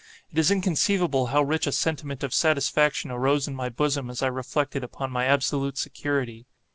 It is inconceivable how rich a sentiment of satisfaction arose in my bosom as I reflected upon my absolute security.